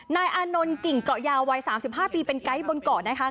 นายอานนท์กิ่งเกาะยาวช่องวัย๓๕ปีเป็นไก๊ต์บนเกาะ